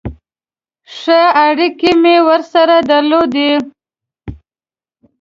ښې اړیکې مې ورسره درلودې.